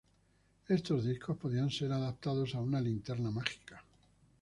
Estos discos podían ser adaptados a una linterna mágica.